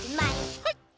はい。